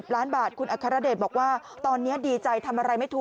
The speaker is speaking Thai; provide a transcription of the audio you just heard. ล้านบาทคุณอัครเดชบอกว่าตอนนี้ดีใจทำอะไรไม่ถูก